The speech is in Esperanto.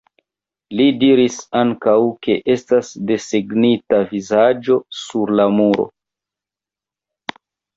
Li diris ankaŭ, ke estas desegnita vizaĝo sur la muro.